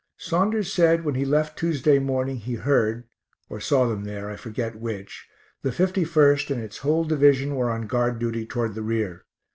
Saunders said, when he left Tuesday morning he heard (or saw them there, I forget which) the 51st and its whole division were on guard duty toward the rear.